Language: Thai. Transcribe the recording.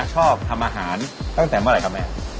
ชอบทำอาหารตั้งแต่เมื่อไหร่ครับแม่